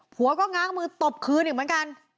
ผัวก็ง้างมือตบคืนอีกเหมือนกัน